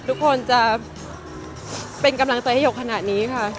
ทุกคนจะเป็นกำลังใจให้หยกขนาดนี้ค่ะ